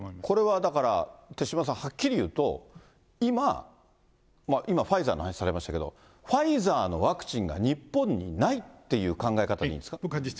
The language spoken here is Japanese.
これはだから、手嶋さん、はっきり言うと、今、ファイザーの話されましたけど、ファイザーのワクチンが日本にないっていう考え方なんですか？